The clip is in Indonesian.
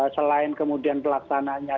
selain kemudian pelaksananya